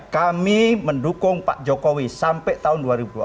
kami mendukung pak jokowi sampai tahun dua ribu dua puluh empat